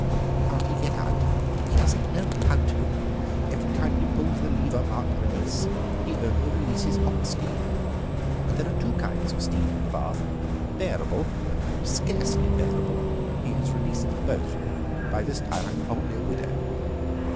"Can't he get out?" "He doesn't know how to. Every time he pulls the lever marked 'release' he only releases hot steam. There are two kinds of steam in the bath, 'bearable' and 'scarcely bearable'; he has released them both. By this time I'm probably a widow."